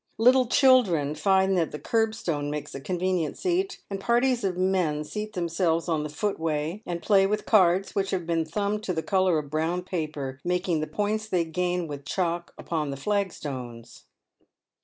Little children find that the kerb stone makes a convenient seat ; and parties of men seat themselves on the footway and play with cards which have been thumbed to the colour of brown paper, making the points they gain with chalk upon the flag stones.